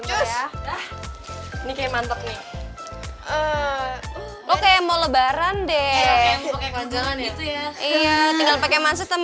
oke mau lebaran deh